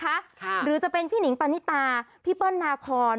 หรือจะเป็นพี่หนิงปานิตาพี่เปิ้ลนาคอน